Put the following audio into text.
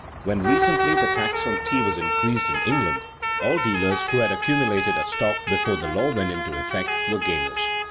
When recently the tax on tea was increased in England, all dealers who had accumulated a stock before the law went into effect were gainers.